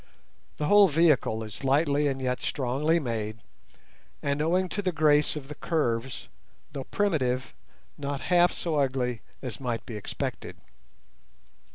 The whole vehicle is lightly and yet strongly made, and, owing to the grace of the curves, though primitive, not half so ugly as might be expected.